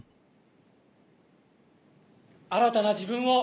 新たな自分を！